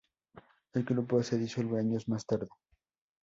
El grupo se disuelve años más tarde.